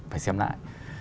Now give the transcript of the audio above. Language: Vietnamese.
phải xem lại